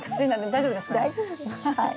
大丈夫ですはい。